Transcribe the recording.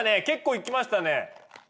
結構いきましたね！